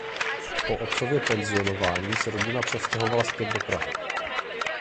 Po otcově penzionování se rodina přestěhovala zpět do Prahy.